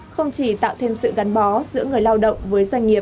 không chỉ tạo thêm sự gắn bó giữa người lao động với doanh nghiệp